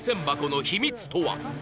の秘密とは？